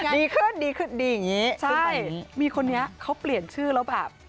ดีขึ้นดีขึ้นดีอย่างนี้ใช่มีคนนี้เขาเปลี่ยนชื่อแล้วแบบ